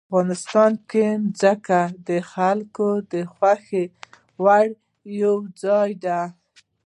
افغانستان کې ځمکه د خلکو د خوښې وړ یو ځای دی.